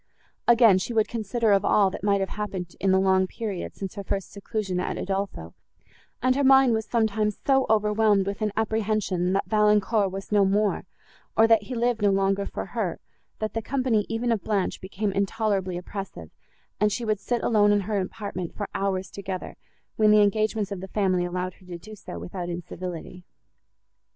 Again she would consider of all, that might have happened in the long period, since her first seclusion at Udolpho, and her mind was sometimes so overwhelmed with an apprehension, that Valancourt was no more, or that he lived no longer for her, that the company even of Blanche became intolerably oppressive, and she would sit alone in her apartment for hours together, when the engagements of the family allowed her to do so, without incivility.